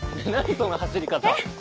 その走り方。